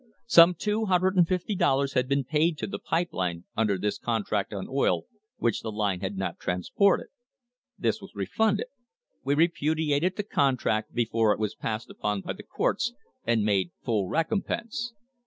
Some $250 had been paid to the pipe line under this contract on oil which the line had not transported. This was refunded. We repudiated the contract before it was passed upon by the courts and made full recompense.